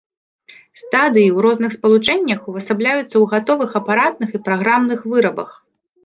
Стадыі ў розных спалучэннях увасабляюцца ў гатовых апаратных і праграмных вырабах.